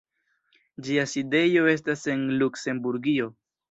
Ĝia sidejo estas en Luksemburgio.